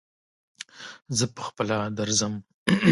زه پهخپله درځم.